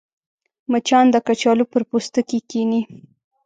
مچان د کچالو پر پوستکي کښېني